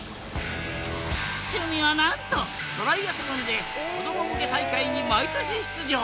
趣味はなんとトライアスロンで子ども向け大会に毎年出場。